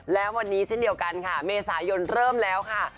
และวันนี้เช่นเดียวกันค่ะเมษายนเริ่มแล้วค่ะ